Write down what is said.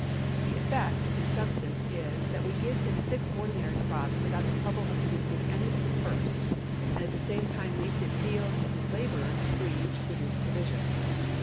The effect, in substance, is, that we give him six ordinary crops, without the trouble of producing any but the first ; and at the same time leave his fields and his laborers free to produce provisions.